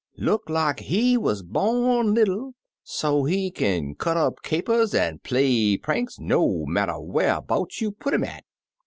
Look like he wuz bom little so he kin cut up capers an' play pranks no matter wharbouts you put 'im at.